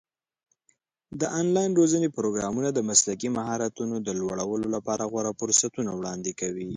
د آنلاین روزنې پروګرامونه د مسلکي مهارتونو د لوړولو لپاره غوره فرصتونه وړاندې کوي.